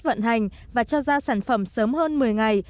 vận hành và cho ra sản phẩm sớm hơn một mươi ngày